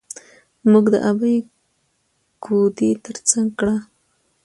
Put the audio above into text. موږ د ابۍ ګودى تر څنګ کړه.